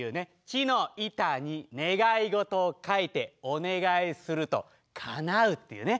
木の板に願い事を書いてお願いするとかなうっていうね